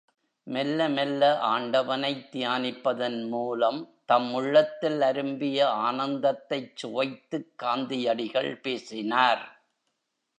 மெல்ல மெல்ல ஆண்டவனைத் தியானிப்பதன் மூலம் தம் உள்ளத்தில் அரும்பிய ஆனந்தத்தைச் சுவைத்துக் காந்தியடிகள் பேசினார்.